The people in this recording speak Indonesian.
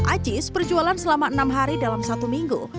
ajiiz perjualan selama enam hari dalam satu minggu